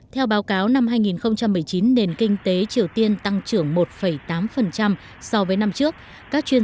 theo báo cáo năm hai nghìn một mươi chín nền kinh tế triều tiên tăng trưởng một tám so với năm trước các chuyên